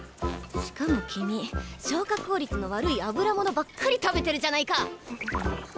しかも君消化効率の悪い油物ばっかり食べてるじゃないか！